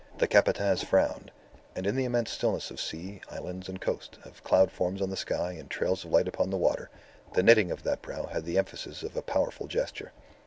The Capataz frowned: and in the immense stillness of sea, islands, and coast, of cloud forms on the sky and trails of light upon the water, the knitting of that brow had the emphasis of a powerful gesture.